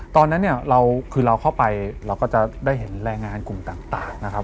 ตอนนั้นเนี่ยเราคือเราเข้าไปเราก็จะได้เห็นแรงงานกลุ่มต่างนะครับ